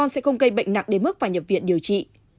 sẽ không gây bệnh nặng đến mức phải nhập viện điều trị